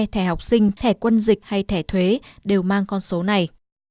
thẻ học sinh thẻ quân dịch hay thẻ thuế đều mang con số này